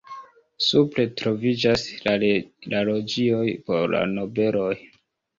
Supre troviĝas la loĝioj por la nobeloj.